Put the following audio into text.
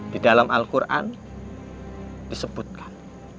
di dalam al quran disebutkan